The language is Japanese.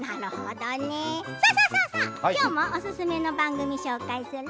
今日おすすめの番組を紹介する。